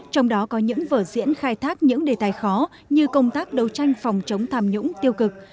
trong đó có những vở diễn khai thác những đề tài khó như công tác đấu tranh phòng chống tham nhũng tiêu cực